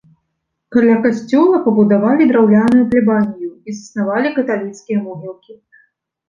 Каля касцёла пабудавалі драўляную плябанію і заснавалі каталіцкія могілкі.